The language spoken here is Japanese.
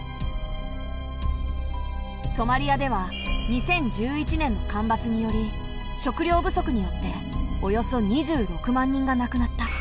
ソマリアでは２０１１年の干ばつにより食糧不足によっておよそ２６万人が亡くなった。